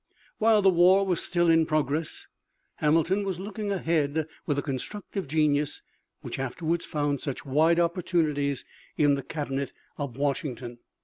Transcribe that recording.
While the war was still in progress Hamilton was looking ahead with the constructive genius which afterwards found such wide opportunities in the cabinet of Washington.